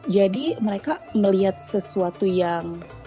jadi mereka melihat sesuatu yang